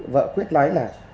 vợ quyết nói là